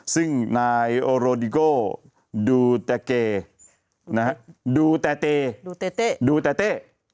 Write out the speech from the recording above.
ซึ่งนายโอโรดิโกดูแตเกดูแตเต